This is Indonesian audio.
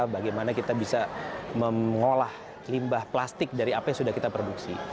bagaimana kita bisa mengolah limbah plastik dari apa yang sudah kita produksi